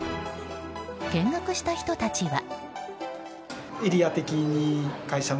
見学した人たちは。